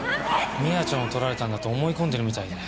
美亜ちゃんを盗られたんだと思い込んでるみたいで。